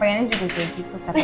pengennya juga jadi gitu